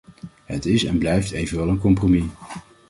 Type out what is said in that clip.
Het is en blijft evenwel een compromis.